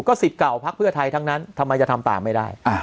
ก็สิทธิ์เก่าพักเพื่อไทยทั้งนั้นทำไมจะทำต่างไม่ได้